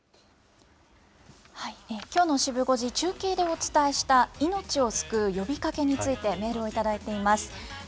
きょうのシブ５時、中継でお伝えした命を救う呼びかけについて、メールを頂いています。